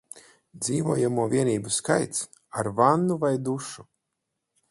Dzīvojamo vienību skaits ar vannu vai dušu